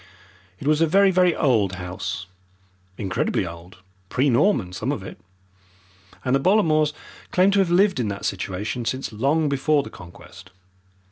It was a very, very old house, incredibly old pre Norman, some of it and the Bollamores claimed to have lived in that situation since long before the Conquest.